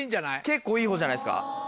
結構いいほうじゃないですか？